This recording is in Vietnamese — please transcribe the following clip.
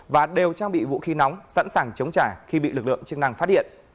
và đều trang bị vũ khí nóng sẵn sàng chống trả khi bị lực lượng chức năng phát hiện